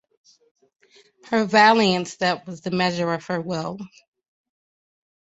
Her valiant step was the measure of her will.